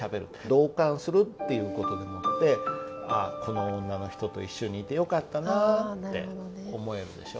同感するっていう事でもって「この女の人と一緒にいてよかったなぁ」って思えるでしょ。